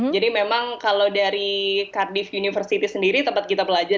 jadi memang kalau dari cardiff university sendiri tempat kita belajar